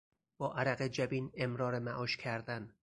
با عرق جبین امرار معاش کردن